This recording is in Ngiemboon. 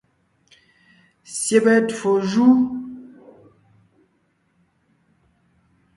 Syɛbɛ twó jú.